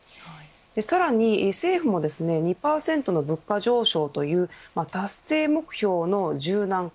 さらに政府もですね２％の物価上昇という達成目標の柔軟化。